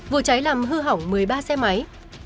vụ cháy làm hư hỏng một mươi ba xe máy